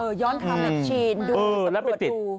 เออย้อนคำแบบเชียดดูสำรวจดู